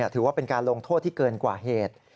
ถือว่าเป็นการลงโทษที่เกินกว่าเหตุ